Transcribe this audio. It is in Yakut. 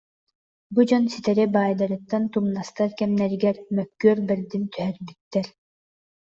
Бу дьон ситэри баайдарыттан тумнастар кэмнэригэр мөккүөр бэрдин түһэрбиттэр